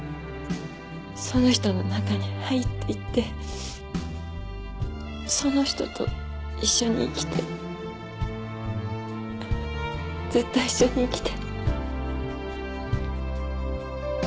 その人の中に入っていってその人と一緒に生きてずっと一緒に生きて。